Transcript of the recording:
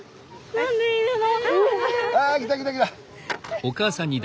何でいるの？